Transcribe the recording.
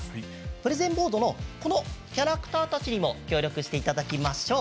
プレゼンボードのこのキャラクターたちにも協力していただきましょう。